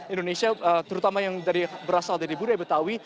indonesia terutama yang berasal dari budaya betawi